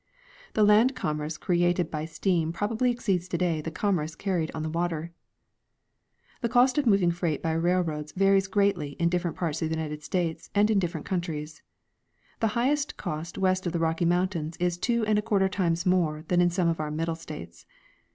The land commerce created by steam probably exceeds today the commerce carried on the water. The cost of moving freight by railroads varies greatly in different parts of the United States and in different countries. The highest cost west of the Rocky mountains is two and a quarter times more than in some of our middle states.